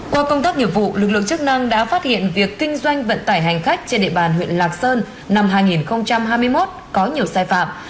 qua công tác nghiệp vụ lực lượng chức năng đã phát hiện việc kinh doanh vận tải hành khách trên địa bàn huyện lạc sơn năm hai nghìn hai mươi một có nhiều sai phạm